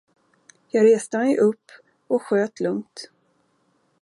Jag reste mig upp och sköt lugnt.